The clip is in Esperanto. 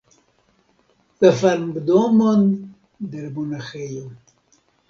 La farmdomon de l' monaĥejo.